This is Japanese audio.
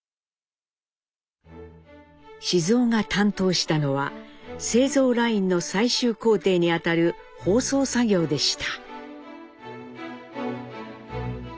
雄が担当したのは製造ラインの最終工程にあたる包装作業でした。